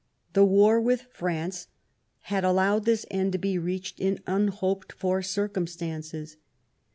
The war with France had allowed this end to be reached in unhoped for circumstances.